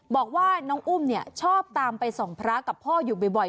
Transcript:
บอกว่าน้องอุ้มเนี่ยชอบตามไปส่องพระกับพ่ออยู่บ่อย